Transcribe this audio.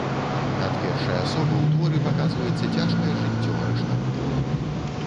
Ад першай асобы ў творы паказваецца цяжкае жыццё арыштантаў.